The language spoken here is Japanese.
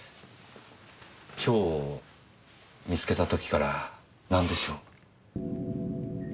蝶を見つけた時からなんでしょう？